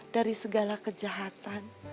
dari segala kejahatan